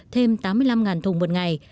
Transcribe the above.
thêm tám mươi năm thùng một ngày